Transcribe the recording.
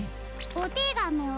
おてがみは？